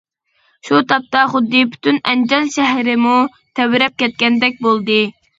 شۇ تاپتا خۇددى پۈتۈن ئەنجان شەھىرىمۇ تەۋرەپ كەتكەندەك بولدى.